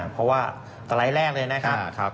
เพราะว่าสไลด์แรกเลยนะครับ